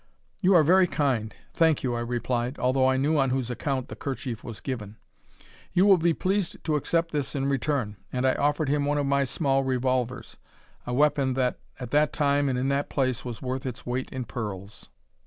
"You are very kind; thank you!" I replied, although I knew on whose account the kerchief was given; "you will be pleased to accept this in return." And I offered him one of my small revolvers a weapon that, at that time and in that place, was worth its weight in pearls.